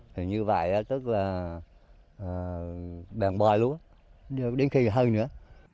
thì như vậy tức là bèn bòi lúa đến khi hơn nữa